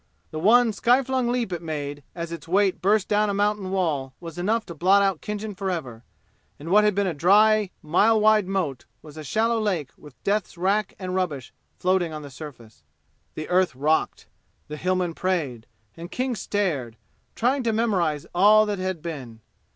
The one sky flung leap it made as its weight burst down a mountain wall was enough to blot out Khinjan forever, and what had been a dry mile wide moat was a shallow lake with death's rack and rubbish floating on the surface. The earth rocked. The Hillmen prayed, and King stared, trying to memorize all that had been.